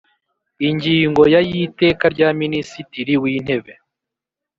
Ingingo ya y Iteka rya Minisitiri wintebe